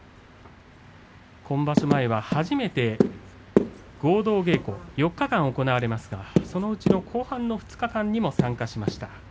場所前は初めて合同稽古４日間行われますがそのうちの後半の２日間にも参加しました。